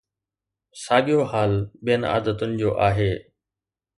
ساڳيو حال ٻين عادتن جو آهي.